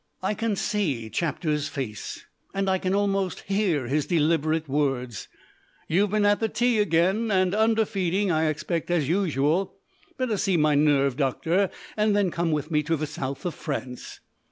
I can see Chapter's face, and I can almost hear his deliberate words, "You've been at the tea again, and underfeeding, I expect, as usual. Better see my nerve doctor, and then come with me to the south of France."